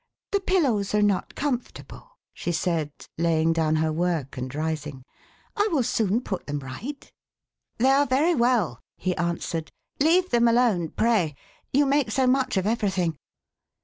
"The pillows are not comfortable," she said, laying down her work and rising. " I will soon put them right.1' THE CONTAGION SPREADS. 473 " They are very well,* he answered. " Leave them alone, pray. You make so much of everything.'